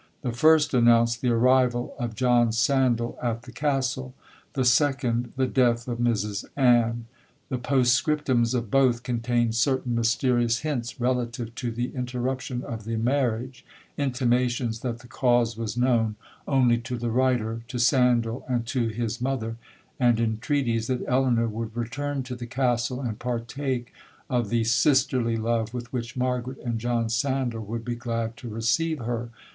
The first announced the arrival of John Sandal at the Castle,—the second, the death of Mrs Ann,—the postscriptums of both contained certain mysterious hints relative to the interruption of the marriage,—intimations that the cause was known only to the writer, to Sandal and to his mother,—and entreaties that Elinor would return to the Castle, and partake of the sisterly love with which Margaret and John Sandal would be glad to receive her.